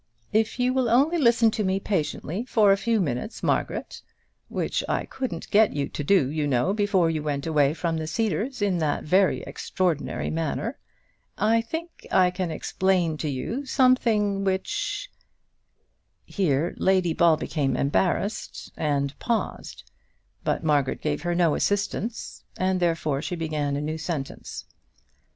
If you will only listen to me patiently for a few minutes, Margaret which I couldn't get you to do, you know, before you went away from the Cedars in that very extraordinary manner I think I can explain to you something which " Here Lady Ball became embarrassed, and paused; but Margaret gave her no assistance, and therefore she began a new sentence.